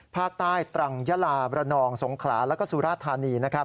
ภาคใต้ตรังยาลาบรนองสงขลาแล้วก็สุราธานีนะครับ